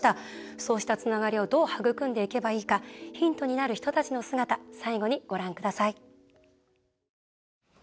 そうしたつながりをどう育めばいいかヒントになる人たちの姿最後にご覧ください。